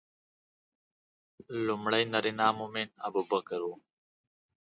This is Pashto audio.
لومړی نارینه مؤمن ابوبکر و.